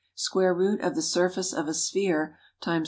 Square root of the surface of a sphere × 1.